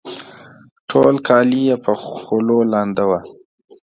ټول کالي یې په خولو لانده وه